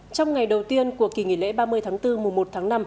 trong ngày đầu tiên của kỳ nghỉ lễ ba mươi tháng bốn mùa một tháng năm